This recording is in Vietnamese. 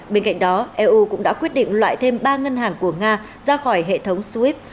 bên cạnh đó eu cũng đã quyết định loại thêm ba ngân hàng của nga ra khỏi hệ thống swift